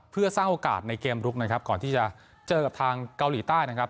เพื่อสร้างโอกาสในเกมลุกนะครับก่อนที่จะเจอกับทางเกาหลีใต้นะครับ